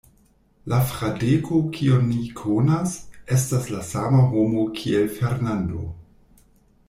La Fradeko, kiun ni konas, estas la sama homo kiel Fernando.